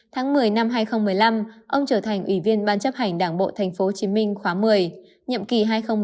tháng một mươi năm hai nghìn một mươi năm ông trở thành ủy viên ban chấp hành đảng bộ tp hcm khóa một mươi nhậm kỳ hai nghìn một mươi năm hai nghìn hai mươi